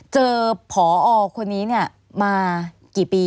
เจอพอคนนี้เนี่ยมากี่ปี